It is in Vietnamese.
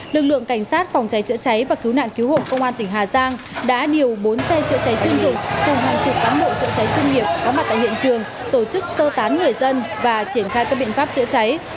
lực lượng cảnh sát phòng cháy chữa cháy và cứu nạn cứu hộ công an tỉnh hà giang đã điều bốn xe chữa cháy chuyên dụng cùng hàng chục cán bộ chữa cháy chuyên nghiệp có mặt tại hiện trường tổ chức sơ tán người dân và triển khai các biện pháp chữa cháy